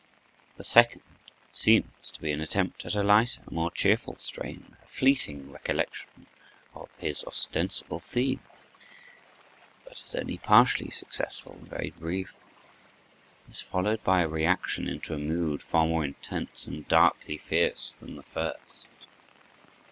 The second seems to be an attempt at a lighter, more cheerful strain, a fleeting recollection of his ostensible theme; but it is only partially successful and very brief, and is followed by a reaction into a mood far more intense and darkly fierce than the first.